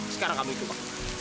sekarang kamu coba